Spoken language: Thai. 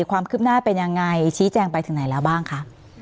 ความคืบหน้าเป็นยังไงชี้แจงไปถึงไหนแล้วบ้างคะ